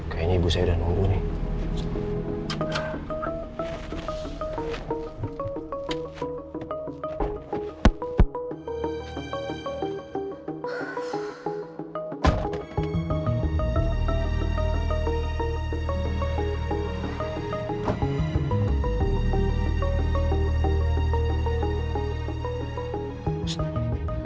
kayaknya ibu saya udah nunggu nih